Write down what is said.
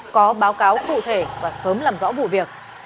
có báo cáo cụ thể và sớm làm rõ vụ việc